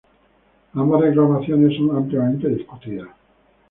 Ambas reclamaciones son ampliamente discutidas.